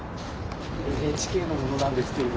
ＮＨＫの者なんですけれども。